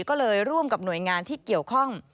ก็เลยร่วมกับหน่วยงานที่เกี่ยวข้อง